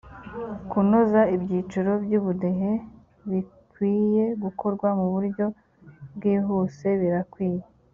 kunoza ibyiciro by ubudehe bikwiye gukorwa mu buryo bwihuse birakwiye